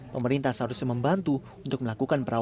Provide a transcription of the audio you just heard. pemerintah seharusnya membantu untuk melakukan perawatan